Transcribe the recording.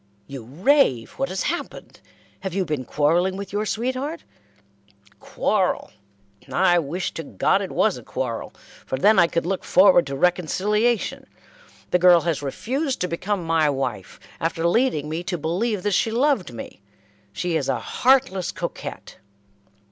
"You rave. What has happened? Have you been quarrelling with your sweetheart?" "Quarrel! I wish to God it was a quarrel, for then I could look forward to reconciliation; the girl has refused to become my wife, after leading me to believe that she loved me. She is a heartless coquette."